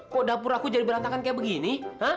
kok dapur aku jadi berantakan kayak begini